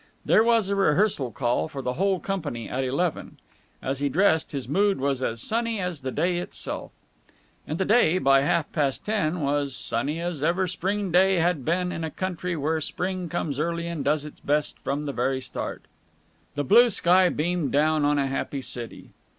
There was a rehearsal call for the whole company at eleven. As he dressed, his mood was as sunny as the day itself. And the day, by half past ten, was as sunny as ever Spring day had been in a country where Spring comes early and does its best from the very start. The blue sky beamed down on a happy city.